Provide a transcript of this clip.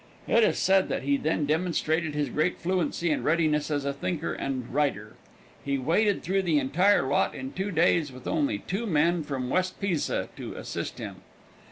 It is said that he then demonstrated his great fluency and readiness as a thinker and writer. He waded through the entire lot in two days with only two men from West Pisa to assist him.